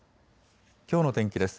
きょうの天気です。